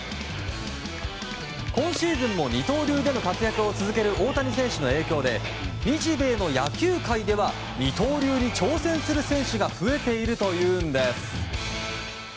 今シーズンも二刀流での活躍を続ける大谷選手の影響で日米の野球界では二刀流に挑戦する選手が増えているというんです。